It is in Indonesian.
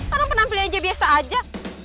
orang penampil aja biasa aja